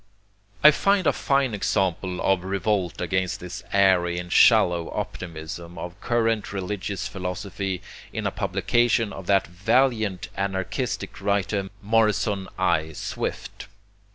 I find a fine example of revolt against the airy and shallow optimism of current religious philosophy in a publication of that valiant anarchistic writer Morrison I. Swift.